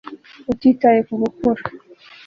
utitaye ku gukura